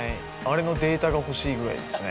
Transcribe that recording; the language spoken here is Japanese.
あれのデータが欲しいぐらいですね。